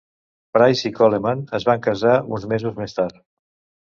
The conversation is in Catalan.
Price i Coleman es van casar uns mesos més tard.